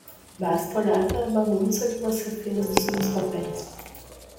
Basta olhar para a bagunça que você fez dos meus papéis.